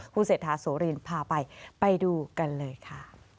คุณเศรษฐาโสรินพาไปไปดูกันเลยค่ะ